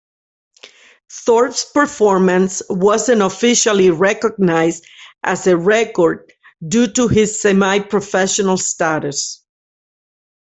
Thorpe's performance wasn't officially recognized as a record due to his semi-professional status.